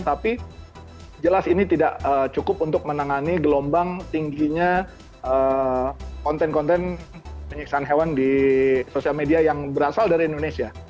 tapi jelas ini tidak cukup untuk menangani gelombang tingginya konten konten penyiksaan hewan di sosial media yang berasal dari indonesia